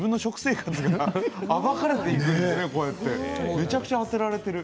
めちゃくちゃ当てられてる。